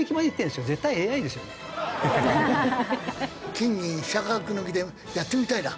金銀飛車角抜きでやってみたいな。